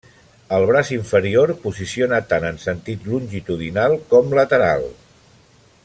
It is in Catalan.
El braç inferior posiciona tant en sentit longitudinal com lateral.